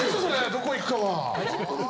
どこいくかは。